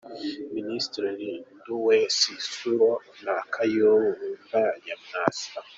Minisitiri Lindiwe Sisulu na Kayumba Nyamwasa